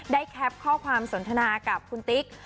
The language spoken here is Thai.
แคปข้อความสนทนากับคุณติ๊ก